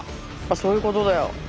そういうことだよ。